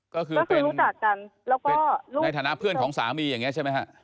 ก็คือเป็นรู้จักกันแล้วก็ในฐานะเพื่อนของสามีอย่างนี้ใช่ไหมฮะ